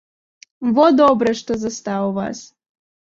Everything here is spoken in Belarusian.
Во добра, што застаў вас!